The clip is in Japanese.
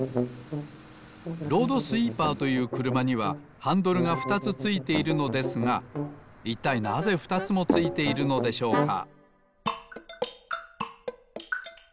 ロードスイーパーというくるまにはハンドルがふたつついているのですがいったいなぜふたつもついているのでしょうか？